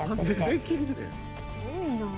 すごいなあ。